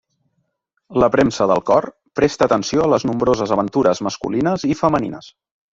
La premsa del cor presta atenció a les nombroses aventures masculines i femenines.